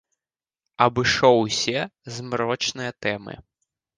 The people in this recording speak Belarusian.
Абышоў усе змрочныя тэмы.